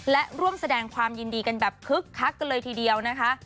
และร่วมแสดงความยินดีกันแบบคึกคักกันเลยทีเดียวนะคะ